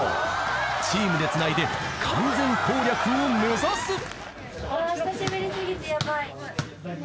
［チームでつないで完全攻略を目指す］